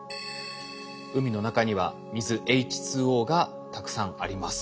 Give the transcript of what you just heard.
海の中には水ＨＯがたくさんあります。